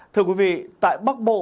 thưa quý vị tại bắc bộ